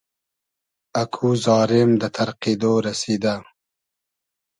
اکو زارېم دۂ تئرقیدۉ رئسیدۂ